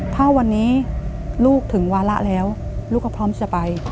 ถ้าวันนี้ลูกถึงวาระแล้วลูกก็พร้อมจะไป